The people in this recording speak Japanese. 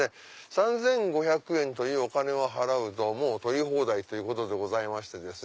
３５００円というお金を払うと採り放題ということでございます。